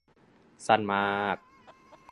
สั้นมาก